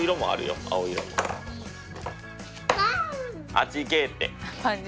「あっち行け」って！